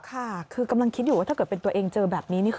ค่ะคือกำลังคิดอยู่ว่าถ้าเกิดเป็นตัวเองเจอแบบนี้